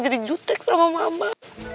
jadi jutek sama mama